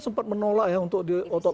sempat menolak ya untuk diotop